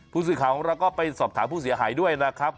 ผู้สื่อข่าวของเราก็ไปสอบถามผู้เสียหายด้วยนะครับ